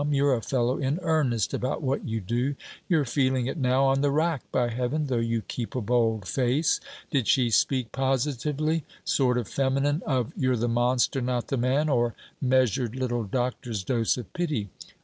You're a fellow in earnest about what you do. You're feeling it now, on the rack, by heaven! though you keep a bold face. Did she speak positively? sort of feminine of "you're the monster, not the man"? or measured little doctor's dose of pity?